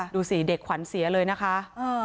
ดูสิเด็กขวัญเสียเลยนะคะ